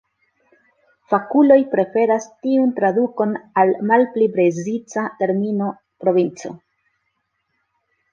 Fakuloj preferas tiun tradukon al la malpli preciza termino provinco.